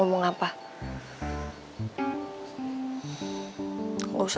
oke ya boleh